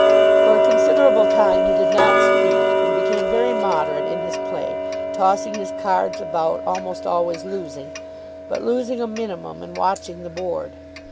For a considerable time he did not speak, and became very moderate in his play, tossing his cards about, almost always losing, but losing a minimum, and watching the board.